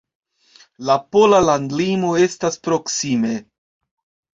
La pola landlimo estas proksime.